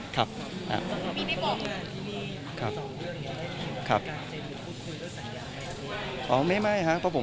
ไม่ผมเป็นอิสระรับได้หมด